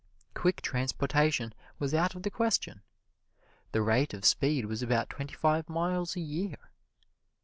Quick transportation was out of the question. The rate of speed was about twenty five miles a year.